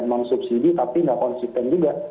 memang subsidi tapi nggak konsisten juga